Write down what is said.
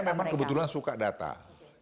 loh saya memang kebetulan suka data mereka